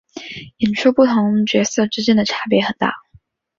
演出的不同角色之间的差别很大。